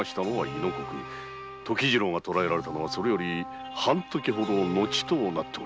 時次郎が捕らえられたのはそれより半刻ほど後と。